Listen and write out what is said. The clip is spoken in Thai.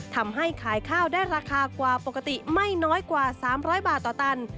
ทำให้ขายข้าวได้ราคากว่าปกติไม่น้อยกว่า๓๐๐บาทต่อตัน